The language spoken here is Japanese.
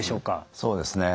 そうですね。